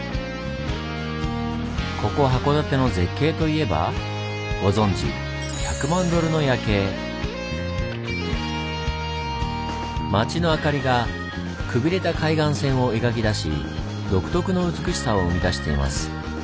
ここ函館の絶景といえばご存じまちの明かりがくびれた海岸線を描き出し独特の美しさを生み出しています。